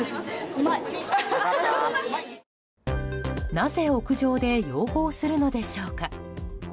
なぜ屋上で養蜂するのでしょうか。